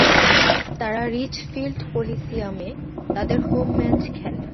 তারা রিচফিল্ড কলিসিয়ামে তাদের home match খেলে।